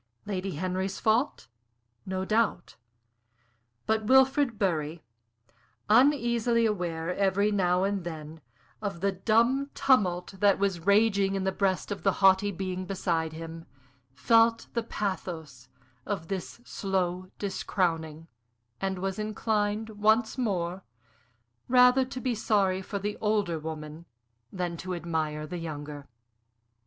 Lady Henry's fault, no doubt; but Wilfrid Bury, uneasily aware every now and then of the dumb tumult that was raging in the breast of the haughty being beside him, felt the pathos of this slow discrowning, and was inclined, once more, rather to be sorry for the older woman than to admire the younger.